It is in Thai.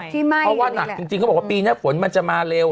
ที่ไหม้อยู่อีกแล้วเพราะว่าจริงเค้าบอกว่าปีนี้ฝนมันจะมาเร็ว